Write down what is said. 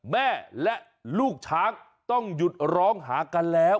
แม่และลูกช้างต้องหยุดร้องหากันแล้ว